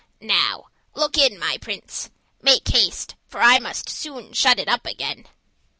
"Now look in, my Prince. Make haste, for I must soon shut it up again."